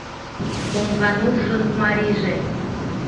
Коҥгануржын марийже